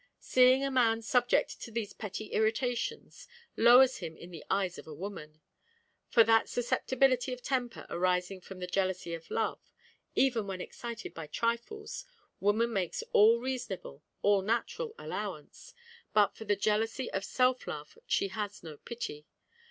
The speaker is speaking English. Seeing a man subject to these petty irritations lowers him in the eyes of woman. For that susceptibility of temper arising from the jealousy of love, even when excited by trifles, woman makes all reasonable, all natural allowance; but for the jealousy of self love she has no pity.